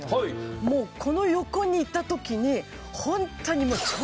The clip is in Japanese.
もうこの横にいた時にホントに。